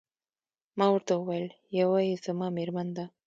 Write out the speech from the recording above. ما ورته وویل: یوه يې زما میرمن ده.